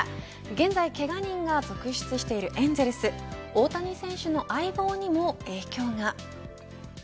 現在けが人が続出しているエンゼルス大谷選手の相棒にも影響が。